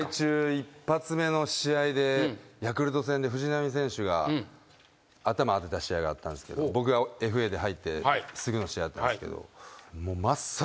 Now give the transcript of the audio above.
１発目の試合でヤクルト戦で藤浪選手が頭当てた試合があったんすけど僕がＦＡで入ってすぐの試合だったんすけど。